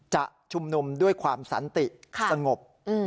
จะชุมนุมด้วยความสันติสงบ